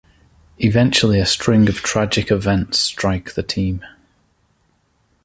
Eventually a string of tragic events strike the team.